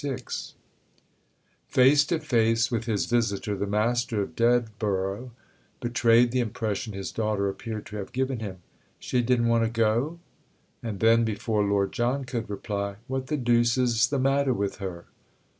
VI Face to face with his visitor the master of Dedborough betrayed the impression his daughter appeared to have given him. "She didn't want to go?" And then before Lord John could reply: "What the deuce is the matter with her?"